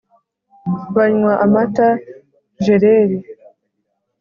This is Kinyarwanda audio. banywa amata jereri